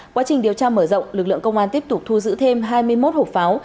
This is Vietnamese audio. quá trình điều tra mở rộng lực lượng công an tiếp tục thu giữ thêm hai mươi một hộp pháo